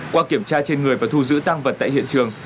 qua kiểm tra trên người và thu giữ tăng vật tại hiện trường